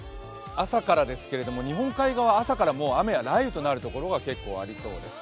朝からですけれども、日本海側、朝からもう雨や雷雨となるところが結構ありそうです。